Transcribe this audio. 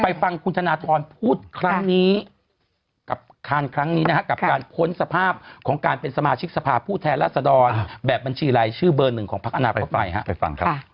ไปฟังคุณธนทรพูดครั้งนี้ครั้งนี้นะฮะกับการพ้นสภาพของการเป็นสมาชิกทรภาพผู้แทนรัฐศาสตรรฯแบบบัญชีไร้ชื่อเบอร์๑ของพักอาณาปกตาไต้ฮะ